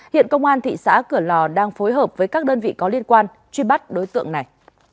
hiện công an thị xã cửa lò đang phối hợp với các đơn vị có liên quan truy bắt đối tượng này